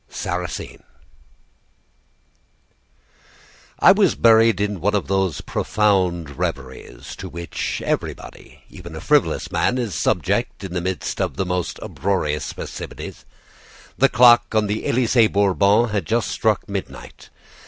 SARRASINE I was buried in one of those profound reveries to which everybody, even a frivolous man, is subject in the midst of the most uproarious festivities. The clock on the Elysee Bourbon had just struck midnight.